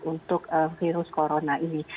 untuk virus corona ini